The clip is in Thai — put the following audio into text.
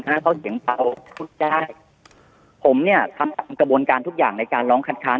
เพราะเสียงเบาพูดได้ผมเนี่ยทำตามกระบวนการทุกอย่างในการร้องคัดค้าน